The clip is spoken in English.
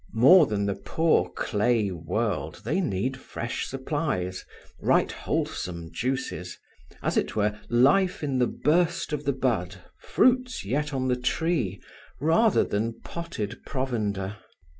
More than the poor clay world they need fresh supplies, right wholesome juices; as it were, life in the burst of the bud, fruits yet on the tree, rather than potted provender.